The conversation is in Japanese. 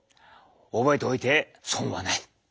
覚えておいて損はない！